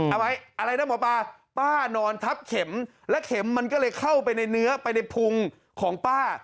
อะไรนะหมอปลาป้านอนทับเข็มและเข็มมันก็เลยเข้าไปในเนื้อไปในพุงของป้า